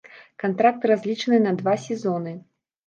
Кантракт разлічаны на два сезоны.